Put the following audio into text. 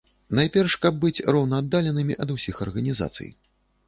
Найперш, каб быць роўнааддаленымі ад усіх арганізацый.